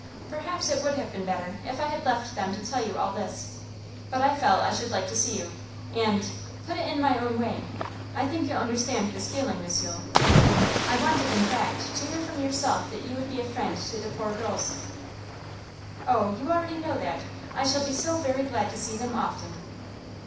Perhaps it would have been better if I had left them to tell you all this, but I felt I should like to see you and put it in my own way. I think you'll understand this feeling, Miss Yule. I wanted, in fact, to hear from yourself that you would be a friend to the poor girls.' 'Oh, you already know that! I shall be so very glad to see them often.